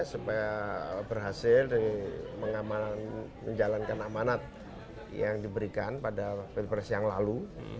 supaya berhasil menjalankan amanat yang diberikan pada pilpres yang lalu